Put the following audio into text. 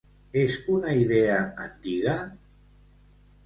És una idea antiga?